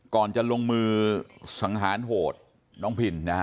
ก่อนจะลงมือศังหารโพธิน้องผิน